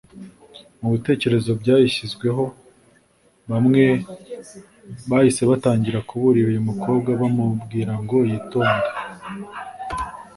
mu bitekerezo byayishyizweho bamwe bahise batangira kuburira uyu mukobwa bamubwira ngo ‘yitonde’